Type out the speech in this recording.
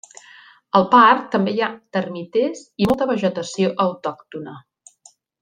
Al parc també hi ha termiters i molta vegetació autòctona.